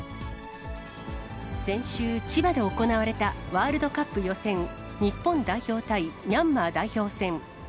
先週、千葉で行われたワールドカップ予選、日本代表対ミャンマー代表戦。